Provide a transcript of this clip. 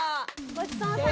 ごちそうさま。